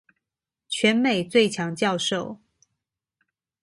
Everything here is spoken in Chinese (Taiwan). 全美最強教授